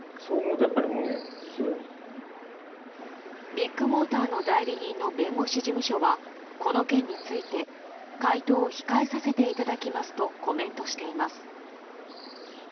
ビッグモーターの代理人の弁護士事務所はこの件について回答を控えさせていただきますとコメントしています。